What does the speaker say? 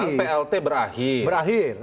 jika menang plt berakhir